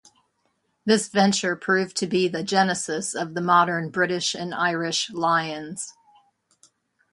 This venture proved to be the genesis of the modern British and Irish Lions.